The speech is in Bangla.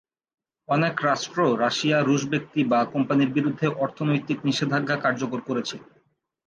অনেক রাষ্ট্র রাশিয়া, রুশ ব্যক্তি বা কোম্পানির বিরুদ্ধে অর্থনৈতিক নিষেধাজ্ঞা কার্যকর করেছে।